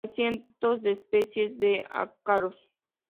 Hay cientos de especies de ácaros.